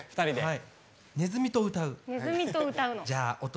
はい。